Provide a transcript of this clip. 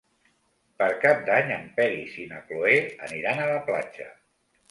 Per Cap d'Any en Peris i na Cloè aniran a la platja.